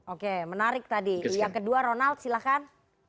oke menarik tadi yang kedua ronald silahkan